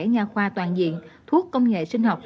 nga khoa toàn diện thuốc công nghệ sinh học